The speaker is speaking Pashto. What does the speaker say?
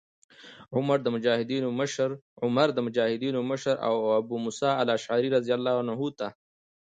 عمر د مجاهدینو مشر ابو موسی الأشعري رضي الله عنه ته